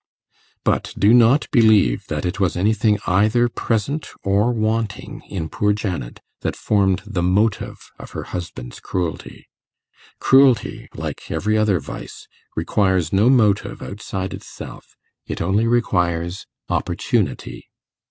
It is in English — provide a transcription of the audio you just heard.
But do not believe that it was anything either present or wanting in poor Janet that formed the motive of her husband's cruelty. Cruelty, like every other vice, requires no motive outside itself it only requires opportunity.